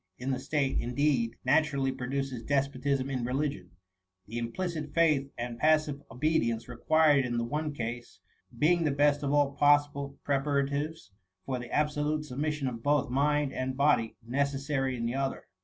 in the state^ indeed, naturally produces despotism in religion ; the implicit faith and passive obedience required in the one case, being the best of all possible preparatives for the absolute submission of both mind and body necessary in the other.